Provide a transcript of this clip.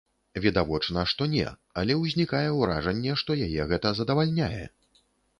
Відавочна, што не, але ўзнікае ўражанне, што яе гэта задавальняе.